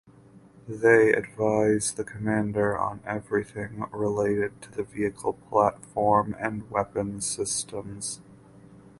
They advise the commander on everything related to the vehicle platform and weapon systems.